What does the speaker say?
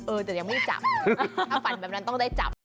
จะยังไม่จับถ้าฝันแบบนั้นต้องได้จับ